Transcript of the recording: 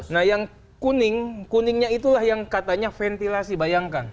nah yang kuning kuningnya itulah yang katanya ventilasi bayangkan